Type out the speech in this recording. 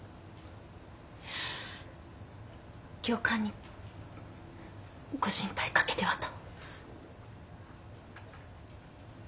教官にご心配かけてはと。